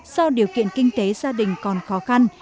do điều kiện kinh tế gia đình còn khó khăn